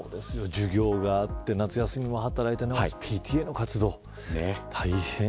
授業があって、夏休みも働いてＰＴＡの活動、大変。